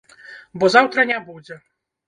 Бо заўтра не будзе.